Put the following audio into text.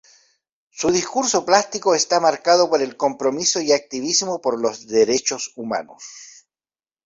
Su discurso plástico está marcado por el compromiso y activismo por los derechos humanos.